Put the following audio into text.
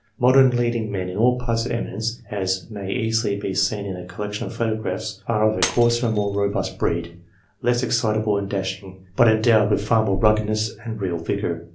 Modern , leading men in all paths of eminence, as may easily be seen ' in a collection of photographs, are of a coarser and more robust breed ; less excitable and dashing, but endowed with far more ruggednje^s and real vigour.